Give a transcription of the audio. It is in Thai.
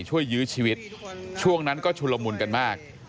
ยื้อชีวิตช่วงนั้นก็ชุลมุนกันมาก